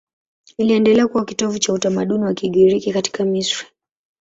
Iliendelea kuwa kitovu cha utamaduni wa Kigiriki katika Misri.